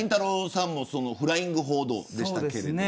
さんもフライング報道でしたよね。